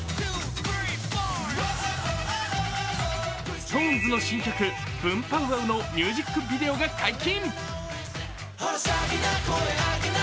ＳｉｘＴＯＮＥＳの新曲「Ｂｏｏｍ−Ｐｏｗ−Ｗｏｗ！」のミュージックビデオが解禁。